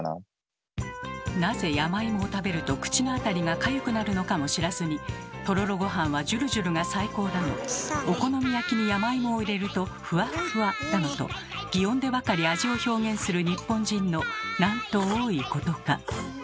なぜ山芋を食べると口のあたりがかゆくなるのかも知らずに「とろろごはんはじゅるじゅるが最高」だの「お好み焼きに山芋を入れるとふわっふわ」だのと擬音でばかり味を表現する日本人のなんと多いことか。